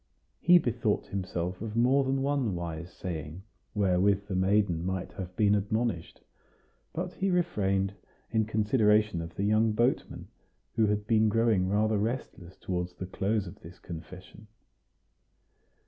He bethought himself of more than one wise saying, wherewith the maiden might have been admonished; but he refrained, in consideration of the young boatman, who had been growing rather restless toward the close of this confession.